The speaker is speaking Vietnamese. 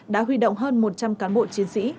đã huy động hơn một trăm linh cán bộ chiến sĩ